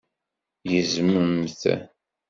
Gezmemt!